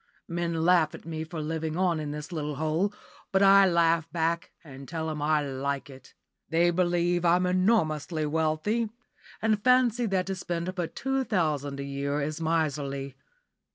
Men laugh at me for living on in this little hole, but I laugh back, and tell 'em I like it. They believe I'm enormously wealthy, and fancy that to spend but two thousand a year is miserly.